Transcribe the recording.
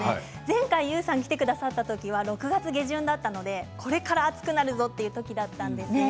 前回ＹＯＵさんが来てくださったのは６月下旬だったのでこれから暑くなるぞという時だったんですが。